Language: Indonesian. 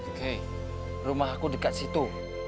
oke rumah aku dekat situ